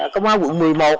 công an quận một mươi một